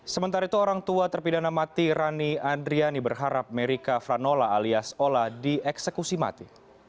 sementara itu orang tua terpidana mati rani andriani berharap merica franola alias ola dieksekusi mati